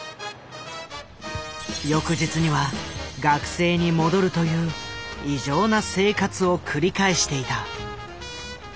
翌日には学生に戻るという異常な生活を繰り返していた。